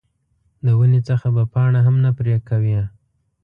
د ونې څخه به پاڼه هم نه پرې کوې.